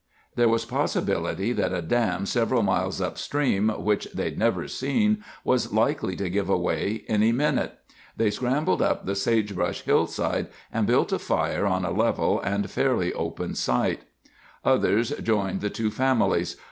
There was possibility that a dam several miles upstream, which they'd never seen, was likely to give way any minute. So they scrambled up the sagebrush hillside and built a fire on a level and fairly open site. Others joined the two families.